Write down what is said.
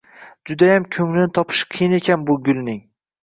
— Judayam ko‘nglini topish qiyin ekan bu gulning...»